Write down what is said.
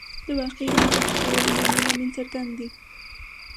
د واقعي مزد د ټیټېدو لومړنی لامل څرګند دی